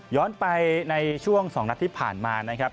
ย้อนไปในช่วง๒นาทีผ่านมานะครับ